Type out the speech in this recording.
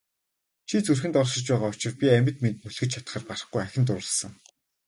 Чи зүрхэнд оршиж байгаа учир би амьд мэнд мөлхөж чадахаар барахгүй ахин дурласан.